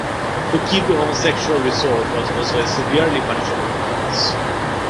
To keep a homosexual resort was also a severely punishable offense.